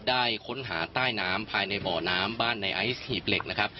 ได้ค้นหาใต้น้ำภายในเบาะน้ำบ้านนายไอซ์หีบเหล็ก